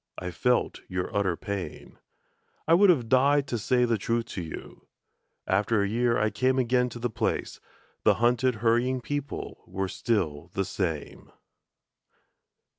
I felt your utter pain. I would have died to say the truth to you. After a year I came again to the place The hunted hurrying people were still the same....